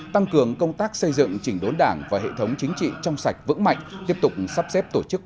tăng cường công tác xây dựng chỉnh đốn đảng và hệ thống chính trị trong sạch vững mạnh